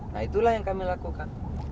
nah itulah yang kami lakukan